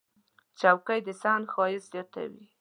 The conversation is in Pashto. چوکۍ د صحن ښایست زیاتوي.